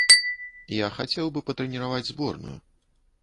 Я хацеў бы патрэніраваць зборную.